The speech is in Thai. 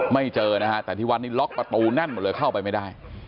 ไม่เจอนะฮะแต่ที่วัดนี้ล็อกประตูแน่นหมดเลยเข้าไปไม่ได้